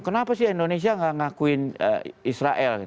kenapa sih indonesia nggak ngakuin israel